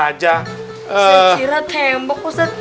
saya kira tembok ustadz